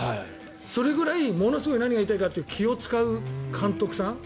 それぐらい、ものすごい何が言いたいかというと気を使う監督さん。